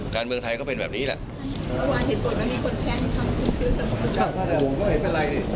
การเมืองไทยก็เป็นแบบนี้แหละ